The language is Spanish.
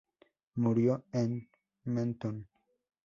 Murió en Menton.